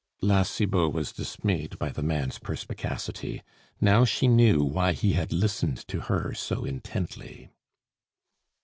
La Cibot was dismayed by the man's perspicacity; now she knew why he had listened to her so intently.